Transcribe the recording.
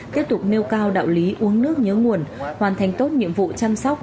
tiếp tục nêu cao đạo lý uống nước nhớ nguồn hoàn thành tốt nhiệm vụ chăm sóc